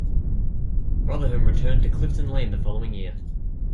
Rotherham returned to Clifton Lane the following year.